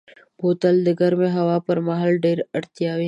بوتل د ګرمې هوا پر مهال ډېره اړتیا وي.